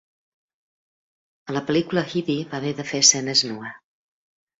A la pel·lícula Headey va haver de fer escenes nua.